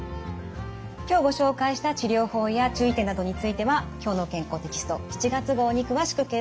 今日ご紹介した治療法や注意点などについては「きょうの健康」テキスト７月号に詳しく掲載されています。